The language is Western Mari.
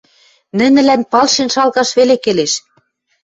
Нӹнӹлӓн палшен шалгаш веле келеш...